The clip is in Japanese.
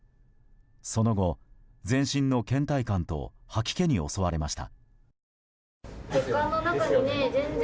その後、全身の倦怠感と吐き気に襲われました。